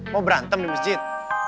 mau berantem di masjid